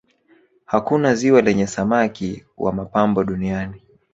hakuna ziwa lenye samaki wa mapambo duniani